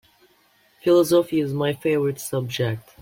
Philosophy is my favorite subject.